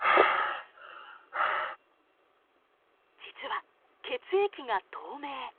実は血液が透明。